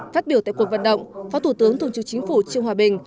phát biểu tại cuộc vận động phó thủ tướng thường trực chính phủ trương hòa bình